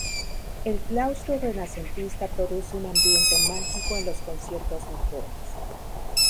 El Claustro renacentista produce un ambiente mágico en los conciertos nocturnos.